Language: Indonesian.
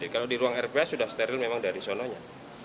kalau di ruang rph sudah steril memang dari sananya